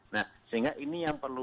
nah sehingga ini yang perlu